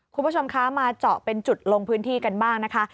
คุณผู้ชมคะมาเจาะเป็นจุดลงพื้นที่กันบ้างนะคะ